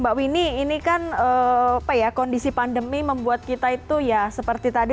mbak winnie ini kan kondisi pandemi membuat kita itu ya seperti tadi